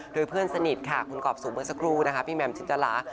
โดยเพื่อนสนิทค่ะคุณกอบสูบเมืองสักรูพี่แม่มจินตรา